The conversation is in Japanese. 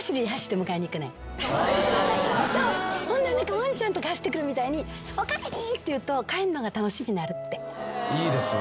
ワンちゃんとか走ってくるみたいに「おかえり」って言うと帰るのが楽しみになるって。